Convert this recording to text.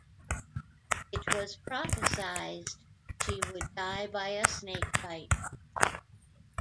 It was prophesied she would die by a snake bite.